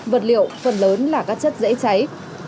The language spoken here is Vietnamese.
vật liệu phần lớn là các chất dễ cháy